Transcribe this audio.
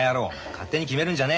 勝手に決めるんじゃねえよ。